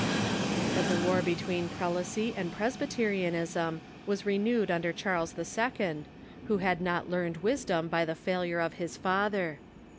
But the war between prelacy and Presbyterianism was re newed under Charles II., who had not learned wisdom by the failure of his father.